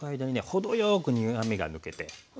程よく苦みが抜けてでね